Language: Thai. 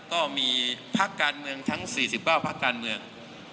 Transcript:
ถ้ามีภาคการเมืองทั้ง๔๙ภาคการเมือง